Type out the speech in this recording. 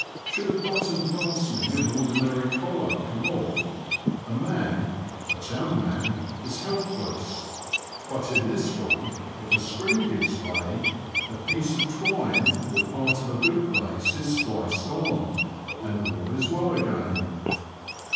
Should a button fastening an ordinary collar come off, a man (a town man) is helpless ; but in this one, if a string gives way, a piece of twine or part of a bootlace is spliced on, and all is well again.